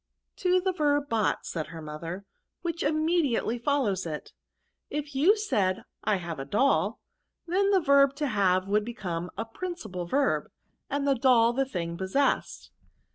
*' To the verb bought," said her mother, which immediately follows it. If you ssad I have a doll', then the verb to have Would become a principal verb, and doU the thing possessed."